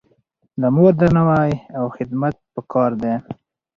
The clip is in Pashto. د مور درناوی او خدمت پکار دی.